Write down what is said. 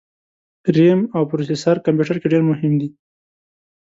رېم او پروسیسر کمپیوټر کي ډېر مهم دي